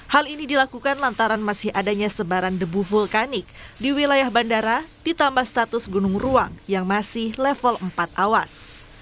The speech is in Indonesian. hal ini dilakukan lantaran masih adanya sebaran debu vulkanik di wilayah bandara ditambah status gunung ruang yang masih level empat awas